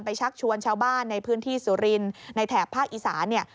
ชักชวนชาวบ้านในพื้นที่สุรินทร์ในแถบภาคอีสานเนี่ย